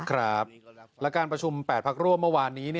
ครับและการประชุม๘พักร่วมเมื่อวานนี้